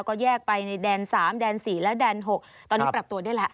ใช่ครับ